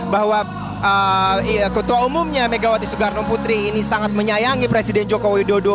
bahwa ketua umumnya megawati soegarno putri ini sangat menyayangi presiden jokowi dodo